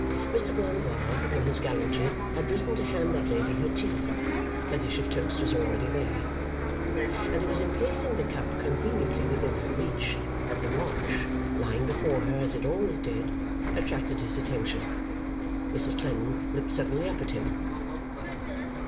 Mr Blandois in his gallantry had risen to hand that lady her tea (her dish of toast was already there), and it was in placing the cup conveniently within her reach that the watch, lying before her as it always did, attracted his attention. Mrs Clennam looked suddenly up at him.